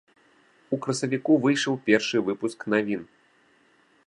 У красавіку выйшаў першы выпуск навін.